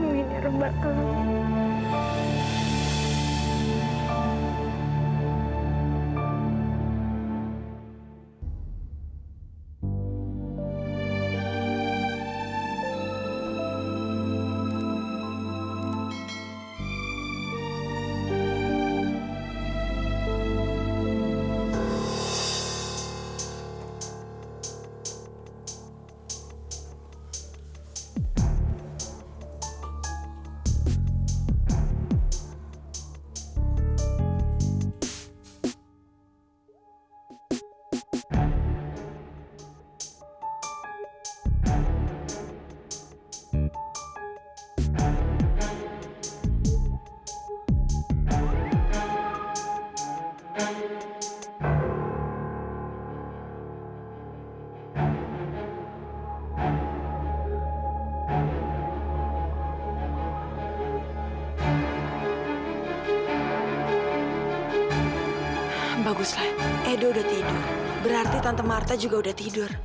men organisman tersebut